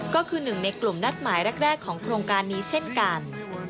ก็คือหนึ่งในกลุ่มนัดหมายแรกของโครงการนี้เช่นกัน